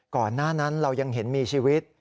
ก่อนหน้านั้นเรายังเห็นมีชีวิต